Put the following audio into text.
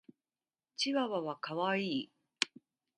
チワワは可愛い。